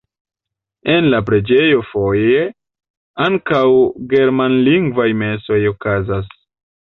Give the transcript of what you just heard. En la preĝejo foje ankaŭ germanlingvaj mesoj okazas.